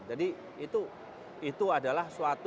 jadi itu adalah suatu